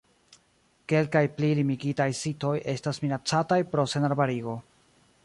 Kelkaj pli limigitaj sitoj estas minacataj pro senarbarigo.